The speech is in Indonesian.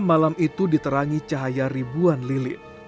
malam itu diterangi cahaya ribuan lilin